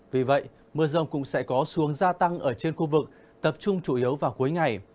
vì vậy mưa rông cũng sẽ có xuống gia tăng ở trên khu vực tập trung chủ yếu vào cuối ngày